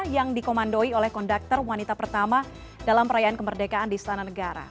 yang dikomandoi oleh konduktor wanita pertama dalam perayaan kemerdekaan di istana negara